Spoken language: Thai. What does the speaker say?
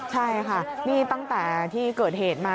ใช่ค่ะนี่ตั้งแต่ที่เกิดเหตุมา